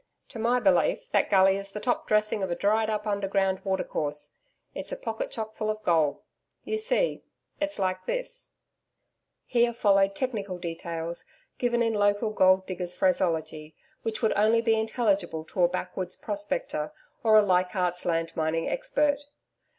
To my belief, that gully is the top dressing of a dried up underground watercourse. It's a pocket chock full of gold. You see, it's like this: Here followed technical details given in local gold digger's phraseology which would only be intelligible to a backwoods prospector or a Leichardt's Land mining expert.